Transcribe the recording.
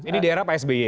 ini di daerah psby ya